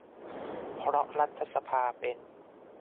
เพราะรัฐสภาเป็น